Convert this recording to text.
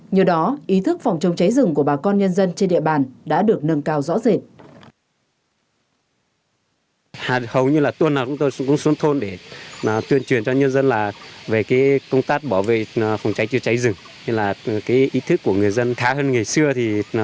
nhờ đó ý thức phòng chống cháy rừng của bà con nhân dân trên địa bàn đã được nâng cao rõ rệt